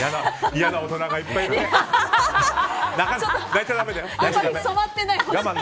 嫌な大人がいっぱいいるね。